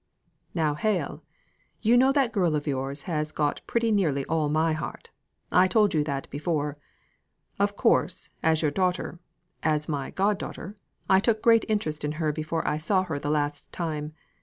"Now, Hale; you know that girl of yours has got pretty nearly all my heart. I told you that before. Of course, as your daughter, as my god daughter, I took great interest in her before I saw her the last time.